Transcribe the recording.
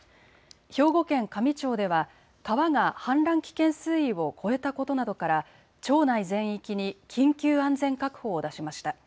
兵庫県香美町では川が氾濫危険水位を超えたことなどから町内全域に緊急安全確保を出しました。